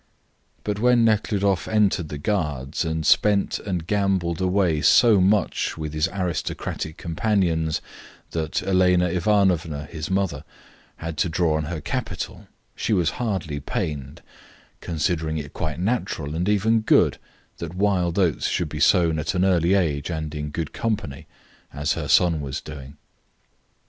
But when Nekhludoff entered the Guards and spent and gambled away so much with his aristocratic companions that Elena Ivanovna, his mother, had to draw on her capital, she was hardly pained, considering it quite natural and even good that wild oats should be sown at an early age and in good company, as her son was doing.